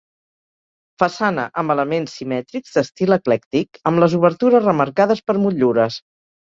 Façana amb elements simètrics d'estil eclèctic, amb les obertures remarcades per motllures.